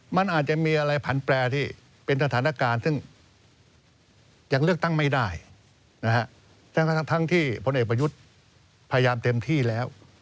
มันอาจจะมีอะไรผันแปลที่เป็นสถานการณ์ซึ่งยังเลือกตั้งไม่ได้นะฮะ